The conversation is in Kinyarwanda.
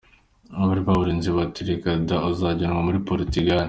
Abari bawurinze bati reka da, uzajyanwa muri Portugal.